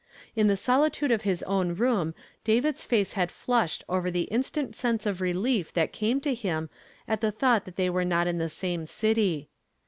I„ the solitude of his own room David's face had fluslied over the mstant sense of relief that came to hin, at the U.onght that they we>. not in the same city.